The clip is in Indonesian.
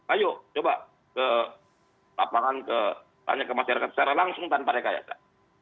ayo coba ke lapangan tanya ke masyarakat secara langsung tanpa rekayasa